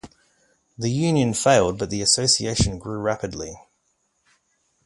The Union failed, but the Association grew rapidly.